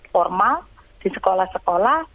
formal di sekolah sekolah